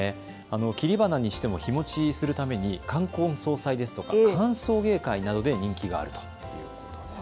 切り花にしても日もちするため冠婚葬祭や歓送迎会などで人気があるそうです。